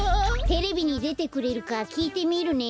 テレビにでてくれるかきいてみるね。